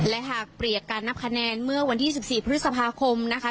และหากเปรียบการนับคะแนนเมื่อวันที่๑๔พฤษภาคมนะคะ